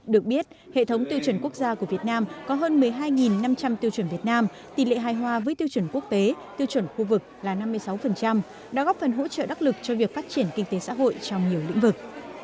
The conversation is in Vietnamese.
được biết hệ thống tiêu chuẩn quốc gia của việt nam có hơn một mươi hai năm trăm linh tiêu chuẩn việt nam tỷ lệ hài hòa với tiêu chuẩn quốc tế tiêu chuẩn khu vực là năm mươi sáu đã góp phần hỗ trợ đắc lực cho việc phát triển kinh tế xã hội trong nhiều lĩnh vực